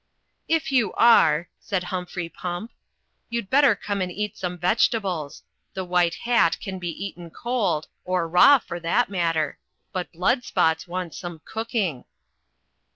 "If you are," said Humphrey Pump, "you'd better come and eat some vegetables. The White Hat can be eaten cold ' or raw, for that matter. But Blood spots wants some cooking."